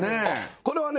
これはね